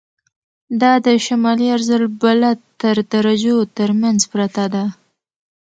دا د شمالي عرض البلد تر درجو تر منځ پرته ده.